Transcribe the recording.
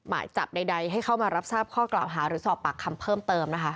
หมายจับใดให้เข้ามารับทราบข้อกล่าวหาหรือสอบปากคำเพิ่มเติมนะคะ